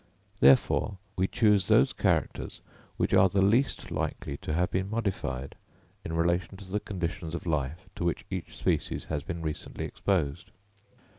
Therefore, we choose those characters which are the least likely to have been modified, in relation to the conditions of life to which each species has been recently exposed.